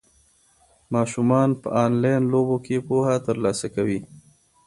ماشومان په انلاین لوبو کې پوهه ترلاسه کوي.